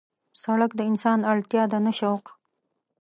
سړک د انسان اړتیا ده نه شوق.